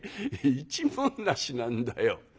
一文無しなんだよ」。